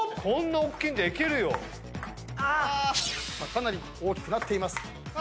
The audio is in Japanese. かなり大きくなっています。